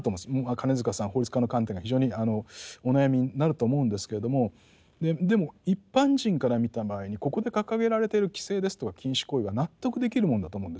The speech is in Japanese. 金塚さん法律家の観点から非常にお悩みになると思うんですけれどもでも一般人から見た場合にここで掲げられている規制ですとか禁止行為は納得できるもんだと思うんですよ。